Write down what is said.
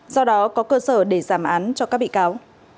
do đó có cơ sở để giảm án cho các bị cáo